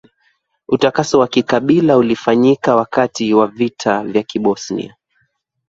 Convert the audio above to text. utakaso wa kikabila ulifanyika wakati wa vita vya kibosnia